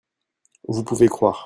vous pouvez croire.